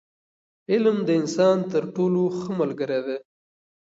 علم د انسان تر ټولو ښه ملګری دی.